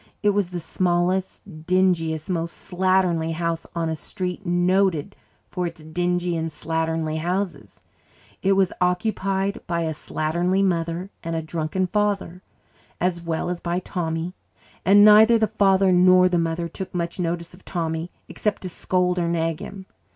It was the smallest, dingiest, most slatternly house on a street noted for its dingy and slatternly houses. It was occupied by a slatternly mother and a drunken father, as well as by Tommy; and neither the father nor the mother took much notice of Tommy except to scold or nag him.